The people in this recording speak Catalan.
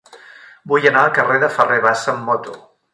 Vull anar al carrer de Ferrer Bassa amb moto.